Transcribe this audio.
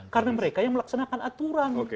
karena mereka yang melaksanakan aturan